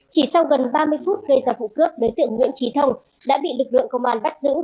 chỉ sau gần ba mươi phút gây ra vụ cướp đối tượng nguyễn trí thông đã bị lực lượng công an bắt giữ